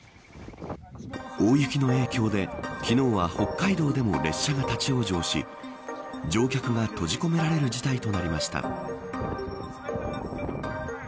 大雪の影響で、昨日は北海道でも列車が立ち往生し乗客が閉じ込められる事態となりました。